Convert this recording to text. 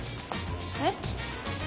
えっ？